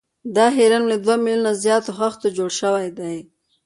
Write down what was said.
دا هرم له دوه میلیونه زیاتو خښتو جوړ شوی دی.